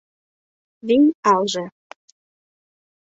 Вий-алже